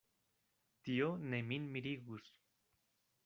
Tio ne min mirigus.